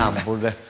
ya ampun deh